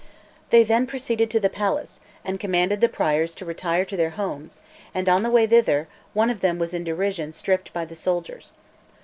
They then proceeded to the palace, and commanded the priors to retire to their homes; and, on the way thither, one of them was in derision stripped by the soldiers.